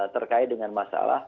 terkait dengan masalah